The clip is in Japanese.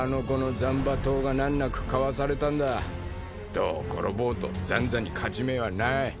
どう転ぼうと斬左に勝ち目はない。